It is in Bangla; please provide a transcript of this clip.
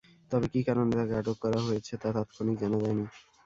তবে কী কারণে তাঁকে আটক করা হয়েছে, তা তাৎক্ষণিক জানা যায়নি।